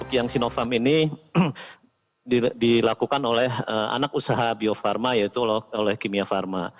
yang sinovac ini dilakukan oleh anak usaha bio farma yaitu oleh kimia pharma